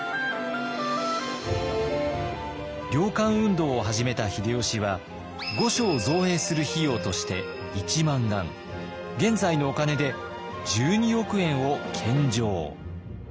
猟官運動を始めた秀吉は御所を造営する費用として１万貫現在のお金で１２億円を献上。